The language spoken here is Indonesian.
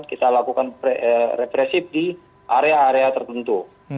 kita lakukan represif di area area tertentu